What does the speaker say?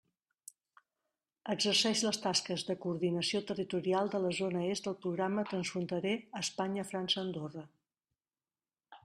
Exerceix les tasques de coordinació territorial de la zona est del Programa transfronterer Espanya-França-Andorra.